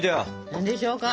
何でしょうか？